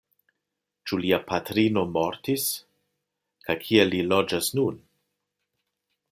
Ĉu lia patrino mortis!? kaj kie li loĝas nun?